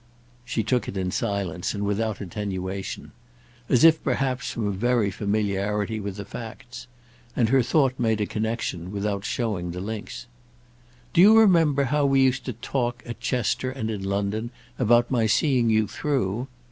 She took it in silence and without attenuation—as if perhaps from very familiarity with the facts; and her thought made a connexion without showing the links. "Do you remember how we used to talk at Chester and in London about my seeing you through?"